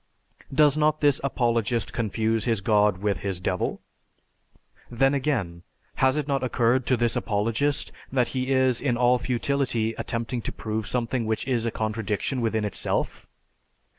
Does not this apologist confuse his god with his devil? Then again, has it not occurred to this apologist that he is in all futility attempting to prove something which is a contradiction within itself?